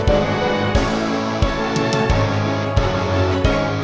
oh anak mama